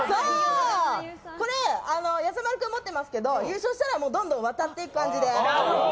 やさまる君が持ってますけど優勝したらどんどん渡っていく感じで。